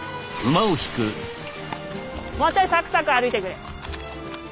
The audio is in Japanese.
もうちょいサクサク歩いてくれ。